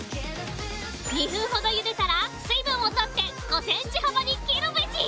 ２分ほどゆでたら水分をとって５センチ幅に切るベジ